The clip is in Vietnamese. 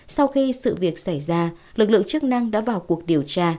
sau khi sự việc xảy ra lực lượng chức năng đã vào cuộc điều tra